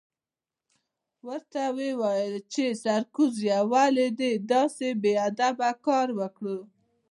ورته ویې ویل چې سرکوزیه ولې دې داسې بې ادبه کار وکړ؟